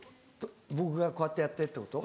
僕がこうやってやってってこと？